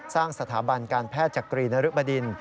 สร้างสถาบันการแพทย์จักรีนริบดิน